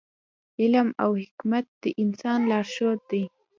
علم او حکمت د انسان لارښود دی.